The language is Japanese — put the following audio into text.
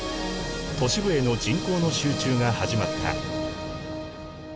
都市部への人口の集中が始まった。